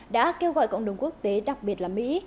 đã kêu gọi cộng đồng quốc tế đặc biệt là mỹ